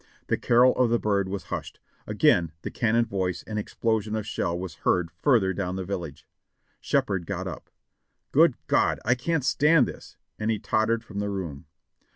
The carol of the bird was hushed. Again the cannon voice and explosion of shell was heard farther down the village. Shepherd got up. "Good God ! I can't stand this !" and he tottered from the room.